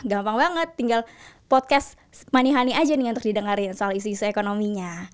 gampang banget tinggal podcast money money aja nih untuk didengarin soal isu isu ekonominya